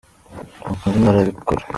Ni uko undi nawe arabikora.